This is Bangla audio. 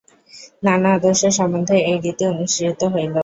নানা আদর্শ সম্বন্ধে এই রীতি অনুসৃত হইল।